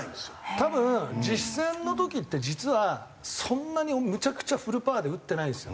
多分実戦の時って実はそんなにむちゃくちゃフルパワーで打ってないんですよ。